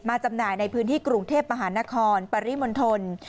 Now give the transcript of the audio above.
จำหน่ายในพื้นที่กรุงเทพมหานครปริมณฑล